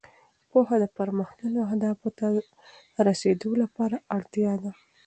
پوهه د پرمختللو اهدافو ته رسېدو لپاره اړتیا ده.